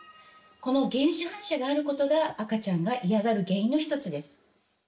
この原始反射があることが赤ちゃんが嫌がる原因の１つです。